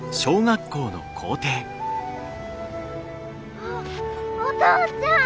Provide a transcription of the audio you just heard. あお父ちゃん！